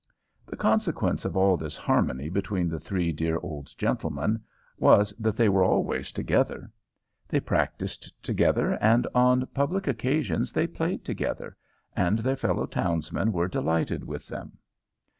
The consequence of all this harmony between the three dear old gentlemen was that they were always together. They practised together, and on public occasions they played together, and their fellow townsmen were delighted with them.